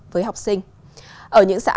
với học sinh ở những xã